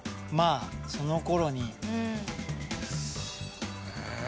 そのころに。